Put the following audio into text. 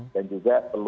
dan juga perlu